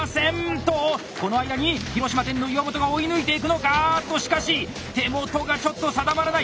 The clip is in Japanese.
とこの間に広島店の岩本が抜いていくのか⁉あっとしかし手元がちょっと定まらない！